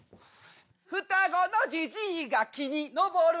双子のじじいが木に登る。